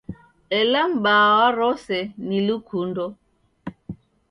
Ela m'baa wa rose, ni lukundo.